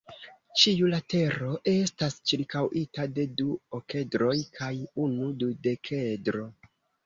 Ĉiu latero estas ĉirkaŭita de du okedroj kaj unu dudekedro.